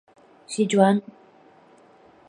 Sichuan.